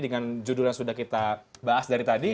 dengan judul yang sudah kita bahas dari tadi